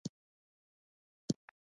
خدای دې تر تور دکن تېر کړه.